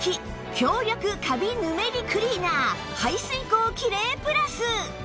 強力カビ・ヌメリクリーナー排水口キレイプラス